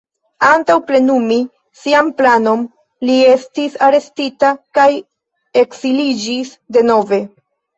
Antaŭ plenumi sian planon, li estis arestita kaj ekziliĝis denove.